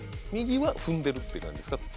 右は踏んでるって感じですか？